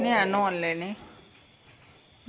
นี่อะนอนไม่งาน